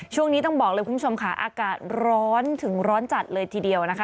ช่วงนี้ต้องบอกเลยคุณผู้ชมค่ะอากาศร้อนถึงร้อนจัดเลยทีเดียวนะคะ